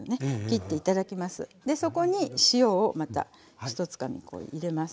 そこに塩をまた１つかみ入れます。